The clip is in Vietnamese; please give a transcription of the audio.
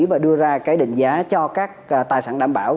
và đưa ra cái định giá cho các tài sản đảm bảo